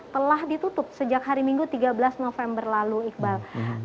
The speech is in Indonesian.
telah ditutup sejak hari minggu tiga belas november lalu iqbal